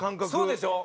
そうでしょ！